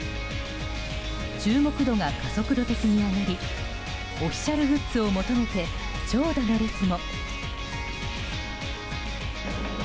注目度が加速度的に上がりオフィシャルグッズを求めて長蛇の列も。